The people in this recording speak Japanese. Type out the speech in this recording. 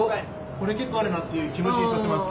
これ結構あるなっていう気持ちにさせます。